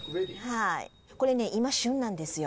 これね、今、旬なんですよ。